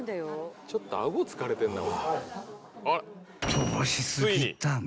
［飛ばし過ぎたん？］